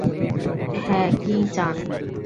হ্যাঁ, কী চান?